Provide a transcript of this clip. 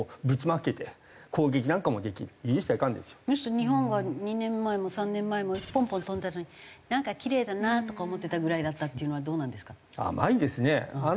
日本は２年前も３年前もポンポン飛んでたのになんかキレイだなとか思ってたぐらいだったっていうのはどうなんですか？